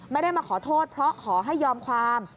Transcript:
ไม่ได้มาขอโทษเพราะขอให้ยอมความ